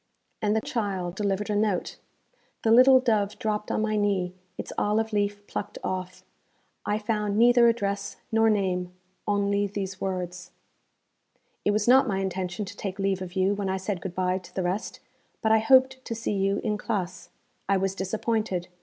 And the child delivered a note. The little dove dropped on my knee, its olive leaf plucked off. I found neither address nor name, only these words, 'It was not my intention to take leave of you when I said good bye to the rest, but I hoped to see you in classe. I was disappointed.